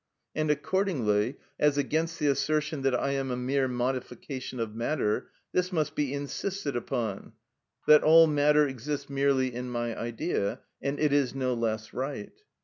And, accordingly, as against the assertion that I am a mere modification of matter, this must be insisted upon, that all matter exists merely in my idea; and it is no less right.